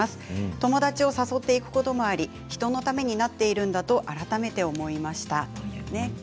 友達を誘って行くこともあり人のためになっているんだと改めて思いました。